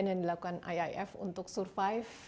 yang dilakukan iif untuk survive